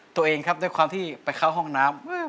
ตัวเองครับด้วยความที่ไปเข้าห้องน้ำ